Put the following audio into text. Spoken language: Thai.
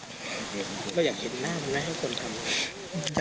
แล้วอยากเห็นหน้ากลังไหนให้คนทำ